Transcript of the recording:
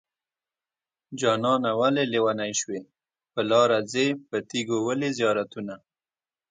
جانانه ولې لېونی شوې په لاره ځې په تيګو ولې زيارتونه